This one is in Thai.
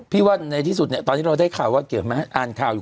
พี่ว่าในที่สุดตอนที่เราได้ข่าวว่าเกี่ยวกับมัธอ่านข่าวอยู่